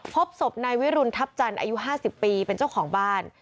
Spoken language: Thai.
พบศพนายวิรุณทัพจันทร์อายุ๕๐ปีเป็นเจ้าของบ้าน